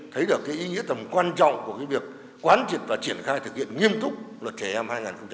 thấy được ý nghĩa tầm quan trọng của việc quan trị và triển khai thực hiện nghiêm túc luật trẻ em hai nghìn một mươi sáu